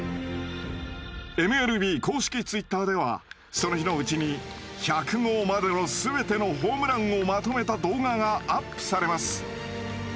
ＭＬＢ公式ツイッターではその日のうちに１００号までの全てのホームランをまとめた動画がアップされます。